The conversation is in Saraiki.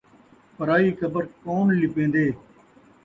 پرائی قبر کون لپین٘دے